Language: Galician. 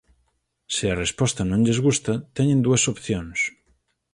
Se a resposta non lles gusta teñen dúas opcións.